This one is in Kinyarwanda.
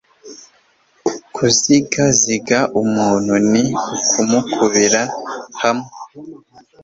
kuzigaziga umuntu ni ukumukubira hamwe